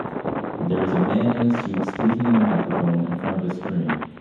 There is a man in a suit speaking in a microphone in front of a screen